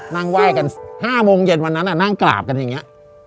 นั่งไหว้กัน๕โมงเย็นวันนั้นนั่งกราบกันอย่างนี้